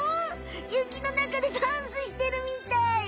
ゆきの中でダンスしてるみたい！